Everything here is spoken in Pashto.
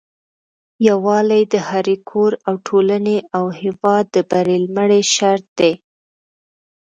يوالي د هري کور او ټولني او هيواد د بری لمړي شرط دي